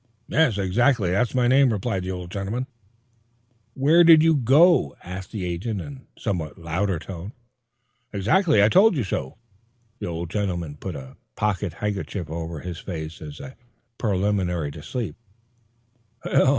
"Yes, exactly; that's my name," replied the old gentleman. "Where do you go?" again asked the agent in a somewhat louder tone. "Exactly, I told you so." And the old gentleman put a pocket handkerchief over his face as a preliminary to sleep.